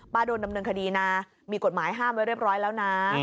โดนดำเนินคดีนะมีกฎหมายห้ามไว้เรียบร้อยแล้วนะ